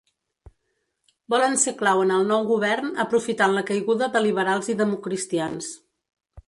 Volen ser clau en el nou govern, aprofitant la caiguda de liberals i democristians.